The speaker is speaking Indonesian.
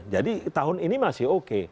jadi tahun ini masih oke